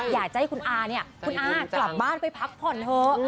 อยากจะให้คุณอาเนี่ยคุณอากลับบ้านไปพักผ่อนเถอะ